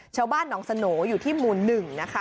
ชาวบ้านน้องสโหนอยู่ที่หมู่หนึ่งนะคะ